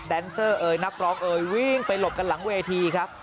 เซอร์เอยนักร้องเอ่ยวิ่งไปหลบกันหลังเวทีครับ